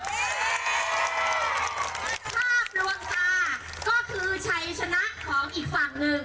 ภาพลวงตาก็คือชัยชนะของอีกฝั่งหนึ่ง